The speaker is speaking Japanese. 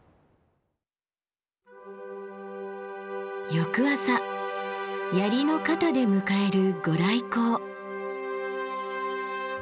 翌朝槍の肩で迎える御来光。